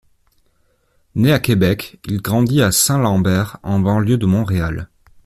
Né à Québec, il grandit à Saint-Lambert, en banlieue de Montréal.